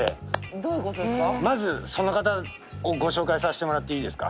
まずその方をご紹介させてもらっていいですか？